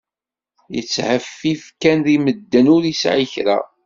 Yettheffif kan deg medden, ur yesɛi kra.